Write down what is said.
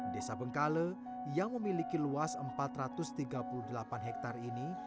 desa bengkale yang memiliki luas empat ratus tiga puluh delapan hektare ini